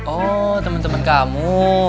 oh teman teman kamu